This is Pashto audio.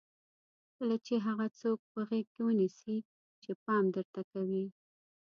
کله چې هغه څوک په غېږ ونیسئ چې پام درته کوي.